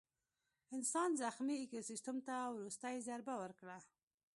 انسان زخمي ایکوسیستم ته وروستۍ ضربه ورکړه.